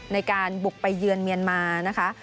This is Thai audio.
ในการบุกไปเยือนเมียนมานะคะ